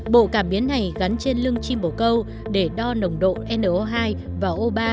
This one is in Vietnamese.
bộ cảm biến này gắn trên lưng chim bổ câu để đo nồng độ no hai và o ba